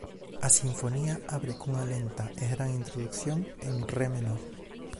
A sinfonía abre cunha lenta e gran introdución en Re menor.